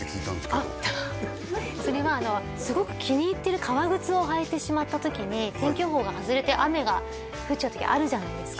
あっそれはすごく気に入ってる革靴を履いてしまった時に天気予報が外れて雨が降っちゃう時あるじゃないですか